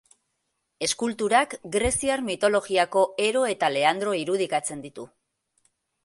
Eskulturak, greziar mitologiako Hero eta Leandro irudikatzen ditu.